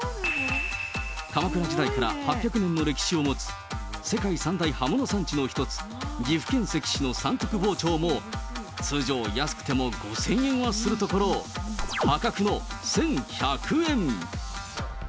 鎌倉時代から８００年の歴史を持つ、世界三大刃物産地の一つ、岐阜県関市の三徳包丁も通常安くても５０００円はするところを、破格の１１００円。